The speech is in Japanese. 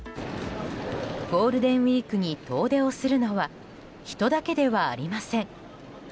ゴールデンウィークに遠出をするのは人だけではありません。